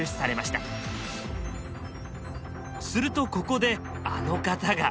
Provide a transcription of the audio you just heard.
するとここであの方が。